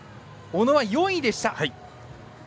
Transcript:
小野は４位でした。